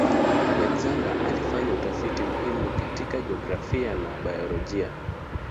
Alexander alifanya utafiti muhimu katika jiografia na biolojia.